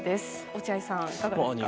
落合さん、いかがですか。